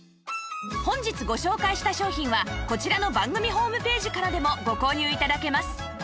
本日ご紹介した商品はこちらの番組ホームページからでもご購入頂けます